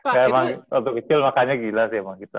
kayak emang waktu kecil makannya gila sih emang kita